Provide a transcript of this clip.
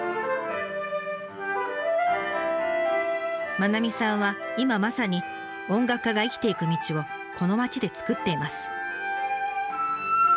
愛さんは今まさに音楽家が生きていく道をこの町で作っています。